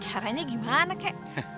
caranya gimana kek